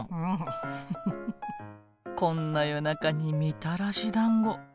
こんな夜中にみたらしだんご。